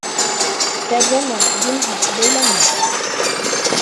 Фәрзәнә, зинһар, бәйләнмә.